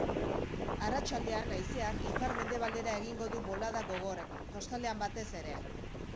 Arratsaldean haizeak ipar-mendebaldera egingo du bolada gogorrekin, kostaldean batez ere.